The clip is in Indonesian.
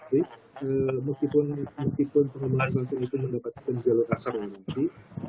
jadi meskipun pengumuman itu mendapatkan jalur rasa mengumumsi